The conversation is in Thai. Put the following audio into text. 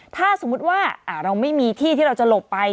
ถ้าสมมุติว่าเราไม่มีที่ที่เราจะหลบไป